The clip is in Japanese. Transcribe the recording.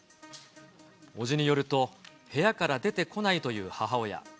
伯父によると、部屋から出てこないという母親。